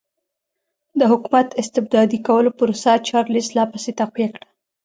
د حکومت استبدادي کولو پروسه چارلېس لا پسې تقویه کړه.